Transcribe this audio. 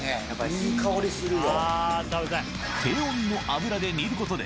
いい香りするよ。